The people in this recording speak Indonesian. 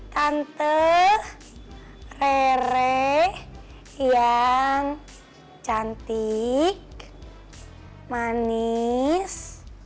tante rere yang cantik manis